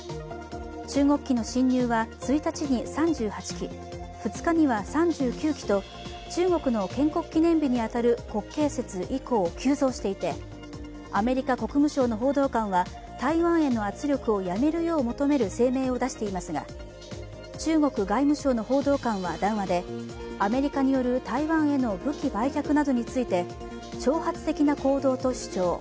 中国機の侵入は１日に３８機、２日には３９機と中国の建国記念日に当たる国慶節以降、急増していてアメリカ国務省の報道官は、台湾への圧力をやめるよう声明を出していますが中国外務省の報道官は談話でアメリカによる台湾への武器売却などについて挑発的な行動と主張。